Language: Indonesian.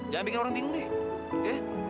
gak bikin orang bingung deh